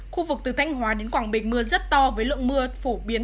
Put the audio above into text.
khu vực từ thanh hóa đến quảng bình mưa rất to với lượng mưa phổ biến